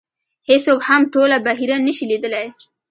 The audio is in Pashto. هېڅوک هم ټوله بحیره نه شي لیدلی .